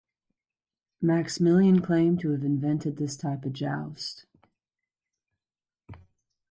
Maximilian claimed to have invented this type of joust.